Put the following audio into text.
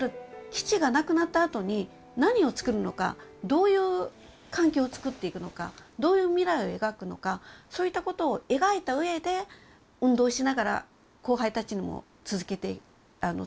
基地がなくなったあとに何をつくるのかどういう環境をつくっていくのかどういう未来を描くのかそういったことを描いたうえで運動しながら後輩たちにも伝えていく。